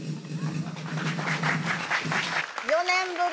４年ぶりに。